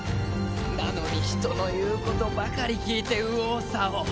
なのに人の言うことばかり聞いて右往左往。